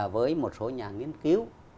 với một số nhà nghiên cứu